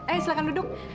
eh silahkan duduk